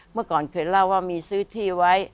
เมื่อก่อนเคยเล่าว่ามีซื้อที่ไว้